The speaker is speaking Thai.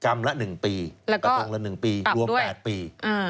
กรรมละ๑ปีประตงละ๑ปีรวม๘ปี